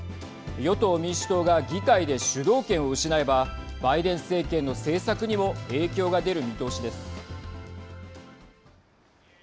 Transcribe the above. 与党・民主党が議会で主導権を失えばバイデン政権の政策にも影響が出る見通しです。